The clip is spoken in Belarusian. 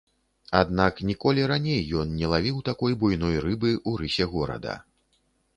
Аднак ніколі раней ён не лавіў такой буйной рыбы ў рысе горада.